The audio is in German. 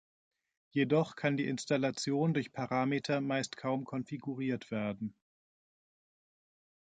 Jedoch kann die Installation durch Parameter meist kaum konfiguriert werden.